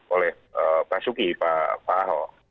oleh pak suki pak aho